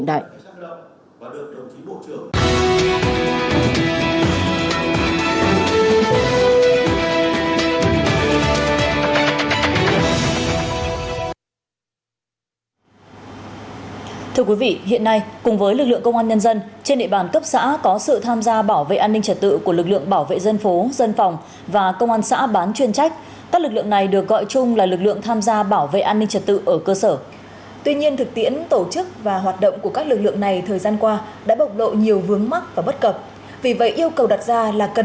nếu kiện toàn thống nhất ba lực lượng gồm bảo vệ dân phố dân phòng và công an xã bán chuyên trách chỉ thành một lực lượng điều này được kỳ vọng tạo ra những bước chuyển